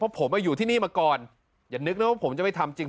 เพราะผมอยู่ที่นี่มาก่อนอย่านึกนะว่าผมจะไปทำจริง